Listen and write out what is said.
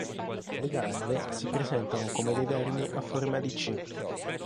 Le larve si presentano come dei vermi a forma di "C".